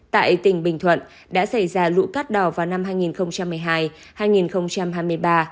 tại tỉnh bình thuận đã xảy ra lụ cát đỏ vào năm hai nghìn một mươi hai hai nghìn hai mươi ba